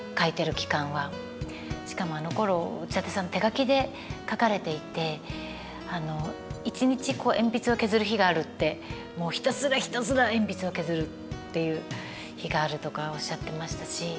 しかもあのころ内館さん手書きで書かれていて一日鉛筆を削る日があるってもうひたすらひたすら鉛筆を削るっていう日があるとかおっしゃってましたし。